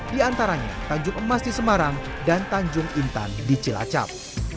di antaranya tanjung emas di semarang dan tanjung intan di cilacap